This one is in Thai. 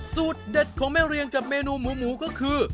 สูตรเด็ดของแม่เรียงกับเมนูหมูก็คือ